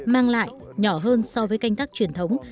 mang lại nhỏ hơn so với canh tác truyền thống